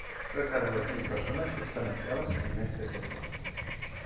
Cerca de dos mil personas están empleadas en este sector.